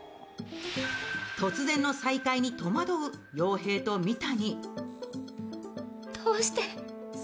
突然の再会に戸惑う洋平と三谷。